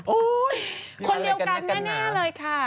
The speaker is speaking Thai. โอ๊ยคนเดียวกันแม่แน่เลยค่ะ